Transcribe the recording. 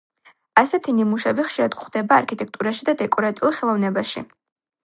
ასეთი ნიმუშები ხშირად გვხდება არქიტექტურაში და დეკორატიულ ხელოვნებაში.